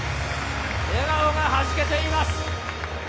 笑顔がはじけています。